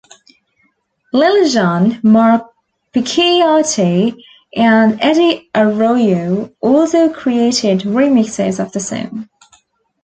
Lil Jon, Mark Picchiotti, and Eddie Arroyo also created remixes of the song.